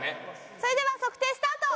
それでは測定スタート！